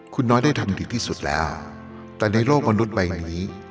คุณน้อยได้ทำดีที่สุดแล้วแต่ในโลกมนุษย์ใบนี้